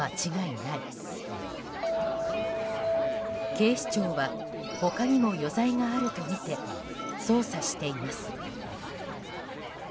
警視庁は他にも余罪があるとみて捜査しています。